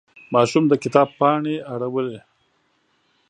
ماشوم د کتاب پاڼې اړولې.